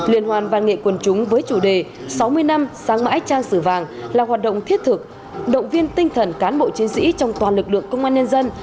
liên hoan văn nghệ quần chúng với chủ đề sáu mươi năm sáng mãi trang sử vàng là hoạt động thiết thực động viên tinh thần cán bộ chiến sĩ trong toàn lực lượng công an nhân dân